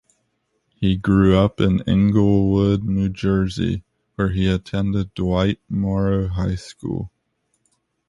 He grew up in Englewood, New Jersey, where he attended Dwight Morrow High School.